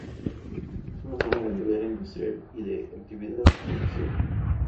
Es una zona ganadera, industrial y de gran actividad comercial.